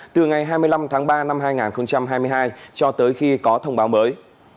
từ ngày hai mươi năm tháng ba năm hai nghìn hai mươi hai cho tới khi có thông báo mới